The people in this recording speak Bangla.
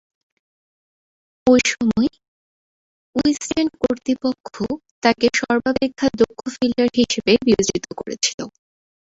ঐ সময়ে উইজডেন কর্তৃপক্ষ তাকে সর্বাপেক্ষা দক্ষ ফিল্ডার হিসেবে বিবেচিত করেছিল।